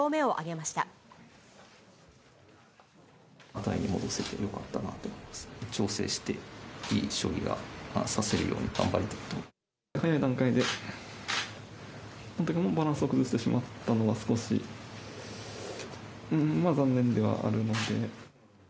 また調整していい将棋が指せるよ早い段階でバランスを崩してしまったのは、少し残念ではあるので。